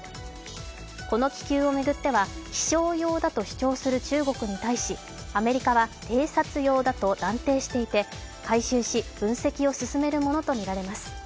この気球を巡っては気象用だと主張する中国に対しアメリカは偵察用だと断定していて回収し分析を進めるものとみられます。